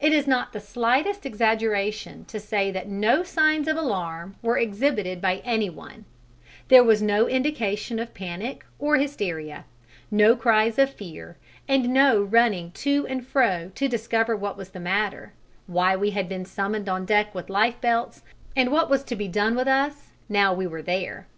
It is not the slightest exaggeration to say that no signs of alarm were exhibited by any one: there was no indication of panic or hysteria; no cries of fear, and no running to and fro to discover what was the matter, why we had been summoned on deck with lifebelts, and what was to be done with us now we were there.